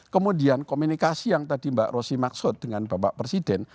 kemudian komunikasi yang tadi mbak rosy maksud dengan bapak presiden